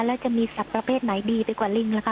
แล้วจะมีสัตว์ประเภทไหนดีไปกว่าลิงล่ะคะ